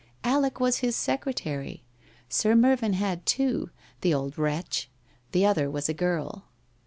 Alec was his secretary. Sir Mervyn had two, the old wretch; the other was a girl.